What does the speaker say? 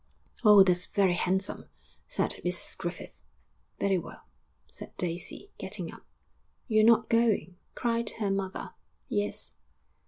'Oh, that's very handsome!' said Mrs Griffith. 'Very well,' said Daisy, getting up. 'You're not going?' cried her mother. 'Yes.'